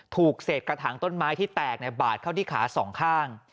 ถูกเศษกระถางต้นไม้ที่แตกบาดเข้าที่ขาสองข้าง